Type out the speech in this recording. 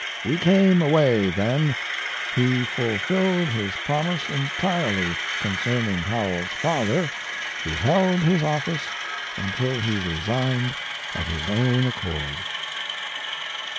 We came away then. He fulfilled his promise entirely concerning Howells's father, who held his office until he resigned of his own accord."